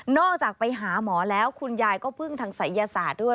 จากไปหาหมอแล้วคุณยายก็พึ่งทางศัยยศาสตร์ด้วย